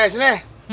cepet deh ah